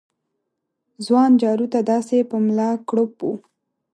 ځوان جارو ته داسې په ملا کړوپ و